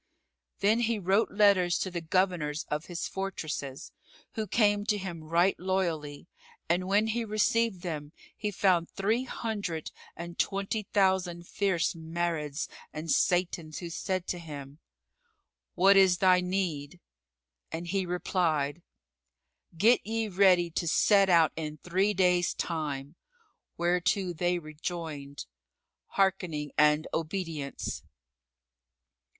Then he wrote letters to the Governors of his fortresses, who came to him right loyally and, when he reviewed them, he found three hundred and twenty thousand fierce Marids and Satans, who said to him, "What is thy need?" And he replied, "Get ye ready to set out in three days' time;" whereto they rejoined "Harkening and obedience!"